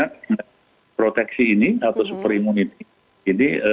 proteksi ini atau super imunitas ini